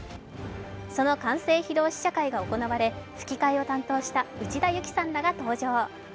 その完成披露試写会が行われ、吹き替えを担当した内田有紀さんらが登場。